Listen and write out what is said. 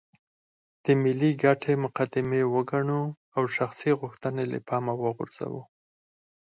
د ملي ګټې مقدمې وګڼو او شخصي غوښتنې له پامه وغورځوو.